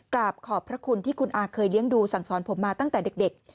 กราบขอบพระคุณที่คุณอาเคยเลี้ยงดูสั่งสอนผมมาตั้งแต่เด็ก